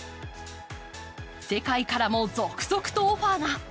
世界からも続々とオファーが。